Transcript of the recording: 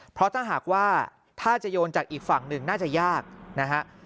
เพราะถ้าหากว่าถ้าจะโยนจากอีกฝั่งหนึ่งน่าจะยากนะฮะ